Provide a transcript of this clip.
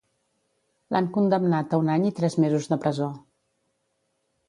L'han condemnat a un any i tres mesos de presó.